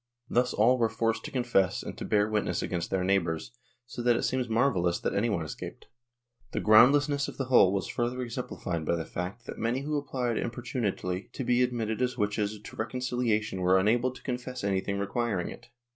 Thus all were forced to confess and to bear witness against their neighbors, so that it seems marvellous that any one escaped. The groundlessness of the whole was further exemplified by the fact that many who apphed importunately to be admitted as witches to reconciliation were unable to confess anything requiring it.